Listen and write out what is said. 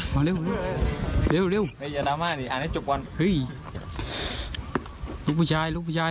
อ๋อมาเร็วเร็วเร็วเร็วเฮ้ยลูกผู้ชายลูกผู้ชาย